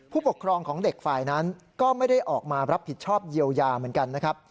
ผู้ปกครองของเด็กฝ่ายนั้นก็ไม่ได้ออกมารับผิดชอบเยียวยาเหมือนกันนะครับ